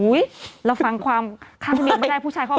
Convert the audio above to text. อุ๊ยเราฟังความคำที่มีออกมาได้ผู้ชายความ